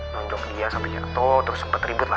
lonjong dia sampe nyertoh terus sempet ribut lah